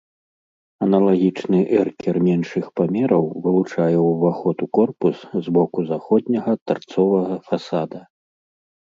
Аналагічны эркер меншых памераў вылучае ўваход у корпус з боку заходняга тарцовага фасада.